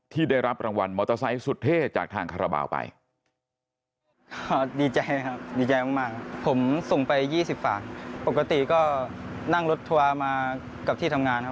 ที่ได้รับรางวัลมอเตอร์ไซค์สุดเท่จากทางคาราบาลไป